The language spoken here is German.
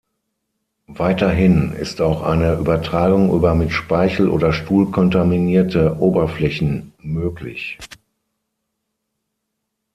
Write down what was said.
Weiterhin ist auch eine Übertragung über mit Speichel oder Stuhl kontaminierte Oberflächen möglich.